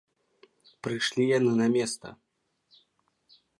Прыйшлі яны на места.